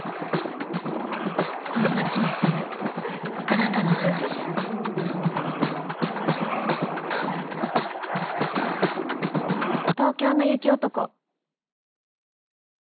この町に住むあなたの話東京の雪男。